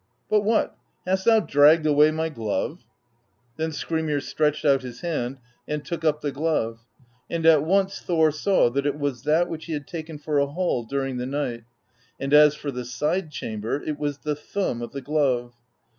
But what? Hast thou dragged away my glove?' Then Skrymir stretched out his hand and took up the glove; and at once Thor saw that it was that which he had taken for a hall during the night; and as for the side chamber, it was the thumb of the glove.